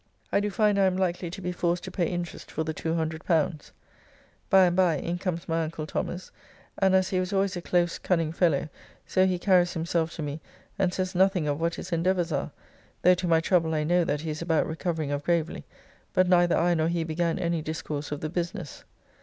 I do find I am likely to be forced to pay interest for the L200. By and by in comes my uncle Thomas, and as he was always a close cunning fellow, so he carries himself to me, and says nothing of what his endeavours are, though to my trouble I know that he is about recovering of Gravely, but neither I nor he began any discourse of the business.